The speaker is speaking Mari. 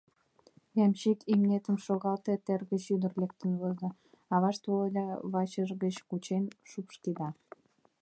— Ямщик, имнетым шогалте, тер гыч ӱдыр лектын возо, — авашт Володям вачыж гыч кучен шупшкеда.